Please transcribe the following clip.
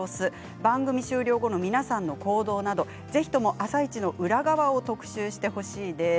番組終了後の皆さんの行動などぜひとも「あさイチ」の裏側を特集してほしいです。